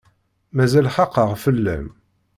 Mazal xaqeɣ fell-am.